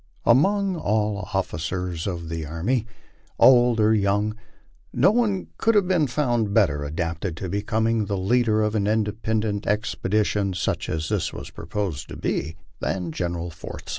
Among all the officers of the army, old or young, no one could have been found better adapted to become the leader of an independent expedition, such as this was proposed to be, than General Forsyth.